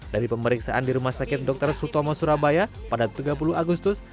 dari pemeriksaan di rumah sakit dr sutomo surabaya pada tiga puluh agustus